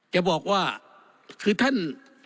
จะบอกว่าคือท่าน